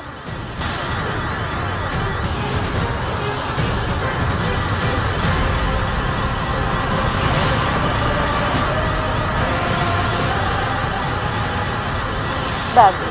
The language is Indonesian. aku ingin menangkapmu